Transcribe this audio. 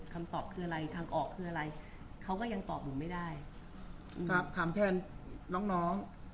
คำตอบคืออะไรทางออกคืออะไรเขาก็ยังตอบหนูไม่ได้ครับถามแทนน้องน้อง